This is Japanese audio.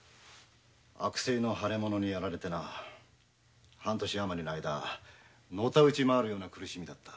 悪性の腫れ物にやられてな半年あまりの間のたうちまわるような苦しみだった。